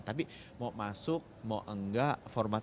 tapi mau masuk mau enggak for the best